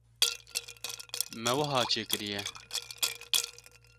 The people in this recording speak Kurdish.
me wiha çêkiriye.